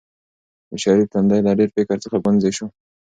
د شریف تندی له ډېر فکر څخه ګونځې شو.